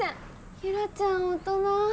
ユラちゃん大人。